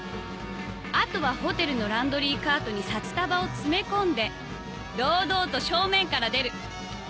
あとはホテルのランドリーカートに札束を詰め込んで堂々と正面から出る